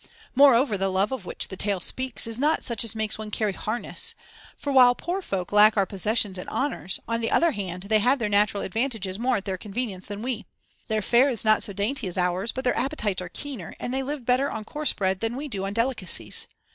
Moreover, the love of which the tale speaks is not such as makes one carry harness; for, while poor folk lack our possessions and honours, on the other hand they have their natural advantages more at their convenience than we. Their fare is not so dainty as ours, but their appetites are keener, and they live better on coarse bread than we do on delicacies.